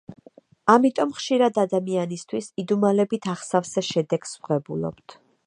ამიტომ ხშირად ადამიანისთვის იდუმალებით აღსავსე შედეგს ვღებულობთ.